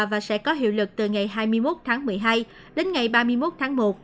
và sẽ có hiệu lực từ ngày hai mươi một tháng một mươi hai đến ngày ba mươi một tháng một